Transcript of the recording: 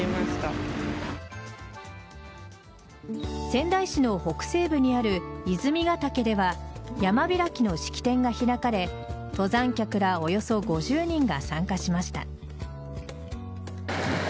仙台市の北西部にある泉が岳では山開きの式典が開かれ登山客らおよそ５０人が参加しました。